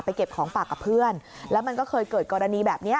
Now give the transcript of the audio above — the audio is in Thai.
เก็บของปากกับเพื่อนแล้วมันก็เคยเกิดกรณีแบบนี้